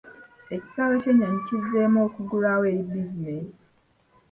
Ekisaawe ky'ennyonyi kizzeemu okuggulwawo eri bizinensi.